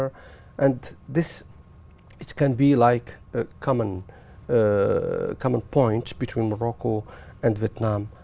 và đây có thể là một nơi hợp lý giữa morocco và việt nam